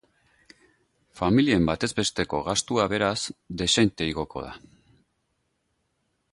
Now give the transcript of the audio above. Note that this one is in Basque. Familien batez besteko gastua, beraz, dezente igoko da.